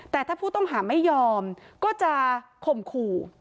แต่ถ้าผู้ต้องหาไม่ยอมก็จะข่มขู่